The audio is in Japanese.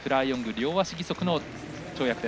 両足義足の跳躍。